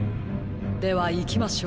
ではいきましょう。